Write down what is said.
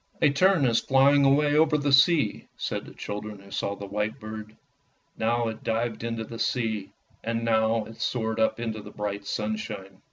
" A tern is flying away over the sea," said the children who saw the white bird. Now it dived into the sea, and now it soared up into the bright sunshine.